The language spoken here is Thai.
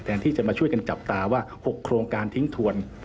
ที่จะมาช่วยกันจับตาว่า๖โครงการทิ้งถวน